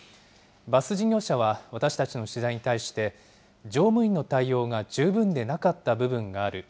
バス事業者は私たちの取材に対して、乗務員の対応が十分でなかった部分がある。